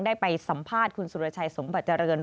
ได้ไปสัมภาษณ์คุณสุรชัยสมบัติเจริญ